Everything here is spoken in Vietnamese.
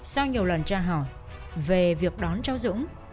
sau nhiều lần tra hỏi về việc đón cháu dũng